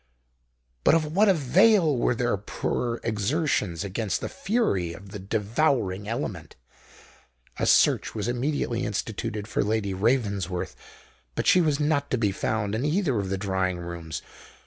But of what avail were their poor exertions against the fury of the devouring element? A search was immediately instituted for Lady Ravensworth: but she was not to be found in either of the drawing rooms.